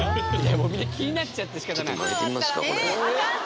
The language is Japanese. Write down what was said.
もうみんな気になっちゃってしかたないあかんて！